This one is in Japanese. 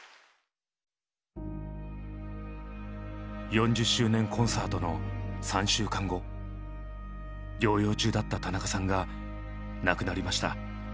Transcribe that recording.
４０周年コンサートの３週間後療養中だった田中さんが亡くなりました。